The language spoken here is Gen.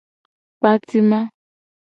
Kpatima.